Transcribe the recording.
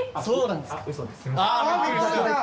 そうなんですか？